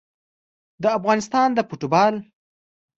د افغانستان د فوټبال